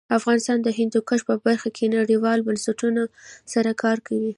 افغانستان د هندوکش په برخه کې نړیوالو بنسټونو سره کار کوي.